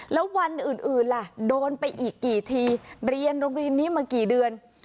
แล้ววันอื่นล่ะโดนไปอีกกี่ทีเรียนโรงเรียนนี้มากี่เดือน